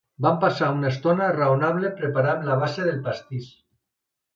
Vam passar una estona raonable preparant la base del pastís.